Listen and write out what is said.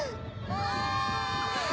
・おい！